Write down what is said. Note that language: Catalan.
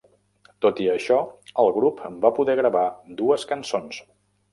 Tot i això, el grup va poder gravar dues cançons.